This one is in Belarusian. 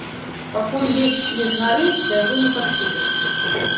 Пакуль увесь не згарыць, да яго не падступішся.